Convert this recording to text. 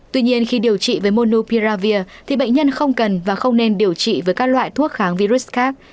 tuy nhiên khi điều trị với monupiravir thì bệnh nhân không cần và không nên điều trị với các loại thuốc kháng virus khác